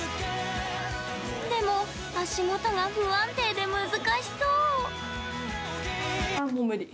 でも、足元が不安定で難しそう。